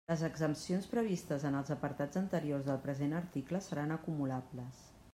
Les exempcions previstes en els apartats anteriors del present article seran acumulables.